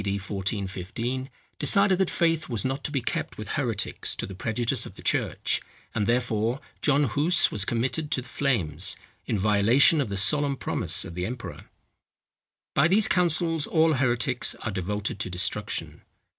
D. 1415, decided that faith was not to be kept with heretics to the prejudice of the church; and, therefore, John Huss was committed to the flames, in violation of the solemn promise of the emperor. By these councils all heretics are devoted to destruction.